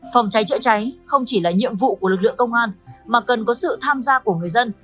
phòng cháy chữa cháy không chỉ là nhiệm vụ của lực lượng công an mà cần có sự tham gia của người dân